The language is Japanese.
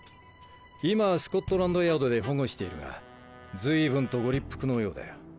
今スコットランドヤードで保護しているが随分とご立腹のようだよ。